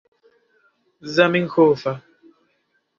zamenhofa